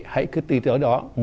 hãy cứ tìm tới đó